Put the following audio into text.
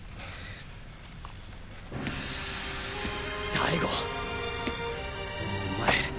大吾お前